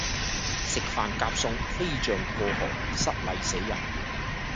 食飯夾餸飛象過河失禮死人